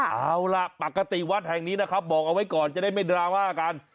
เอาล่ะปกติวัดแห่งนี้นะครับบอกเอาไว้ก่อนจะได้ไม่ดราม่ากัน